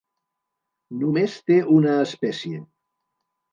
Només té una espècie.